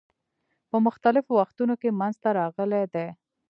په مختلفو وختونو کې منځته راغلي دي.